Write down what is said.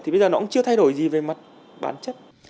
thì bây giờ nó cũng chưa thay đổi gì về mặt bản chất